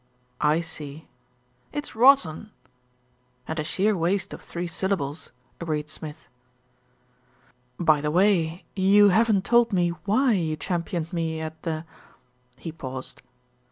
" "I see." "It's rotten." "And a sheer waste of three syllables," agreed Smith. "By the way, you haven't told me why you championed me at the " He paused.